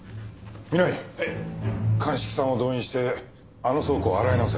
鑑識さんを動員してあの倉庫を洗い直せ！